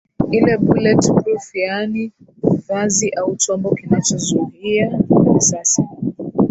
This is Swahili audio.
ile bullet proof yaani vazi au chombo kinachozuhia risasi